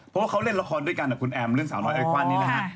เพราะว่าเขาเล่นละครด้วยกันกับคุณแอมเรื่องสาวน้อยไอควันนี่นะฮะ